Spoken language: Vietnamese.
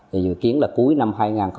thì dự kiến là cuối năm hai nghìn một mươi chín